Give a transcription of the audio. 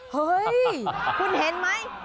คุณเห็นไหม